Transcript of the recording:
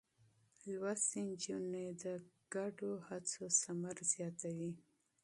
تعليم شوې نجونې د ګډو هڅو ثمر زياتوي.